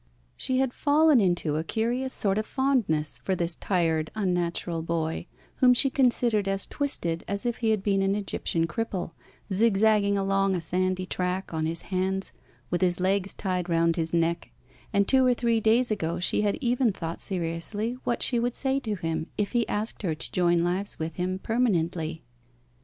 She had fallen into a curious sort of fondness for this tired, unnatural boy, whom she considered as twisted as if he had been an Egyptian cripple, zigzagging along a sandy track on his hands with his legs tied round his neck; and two or three days ago she had even thought seriously what she would say to him if he asked her to join lives with him permanently.